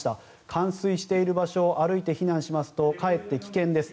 冠水している場所を歩いて避難しますとかえって危険です。